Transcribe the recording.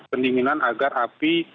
pendinginan agar api